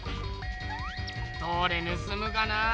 どれぬすむがなあ